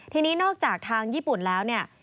ทีนี้นอกจากทางญี่ปุ่นแล้วเนี่ย